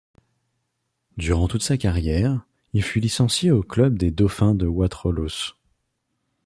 Durant toute sa carrière, il fut licencié au club des Dauphins de Wattrelos.